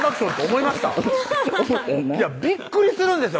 思ったやんなびっくりするんですよ